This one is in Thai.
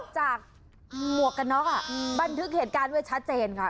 จากในหัวกน๊อกบันทึกเหตุการณ์ชะเจนค่ะ